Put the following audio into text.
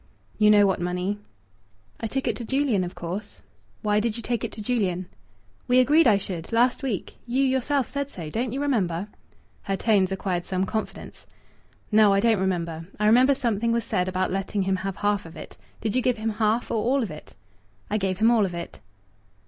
"You know what money." "I took it to Julian, of course." "Why did you take it to Julian?" "We agreed I should, last week you yourself said so don't you remember?" Her tones acquired some confidence. "No, I don't remember. I remember something was said about letting him have half of it. Did you give him half or all of it?" "I gave him all of it."